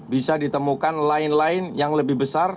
bisa ditemukan lain lain yang lebih besar